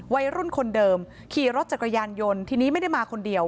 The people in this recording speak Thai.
วัยรุ่นคนเดิมขี่รถจักรยานยนต์ทีนี้ไม่ได้มาคนเดียว